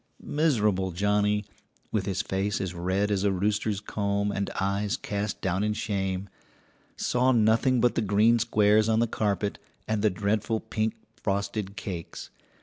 Miserable Johnnie, with his face as red as a rooster's comb and eyes cast down in shame, saw nothing but the green squares on the carpet and the dreadful pink frosted cakes.